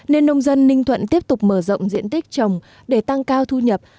nên nông dân ninh thuận tiếp tục mở rộng diện tích trồng để tăng cao thu nhập